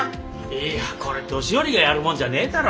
いやこれ年寄りがやるもんじゃねえだろ。